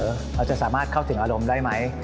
เราจะสามารถเข้าถึงอารมณ์ได้ไหม